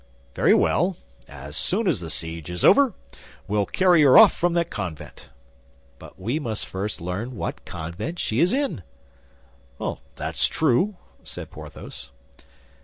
"Very well. As soon as the siege is over, we'll carry her off from that convent." "But we must first learn what convent she is in." "That's true," said Porthos.